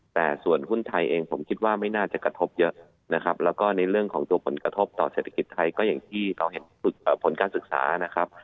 แต่ส่วนหุ้นไทยเองผมคิดว่าไม่น่าจะกระทบเยอะนะครับแล้วก็ในเรื่องของตัวผลกระทบต่อเศรษฐกิจไทยก็อย่างที่เราเห็นผลการศึกษานะครับ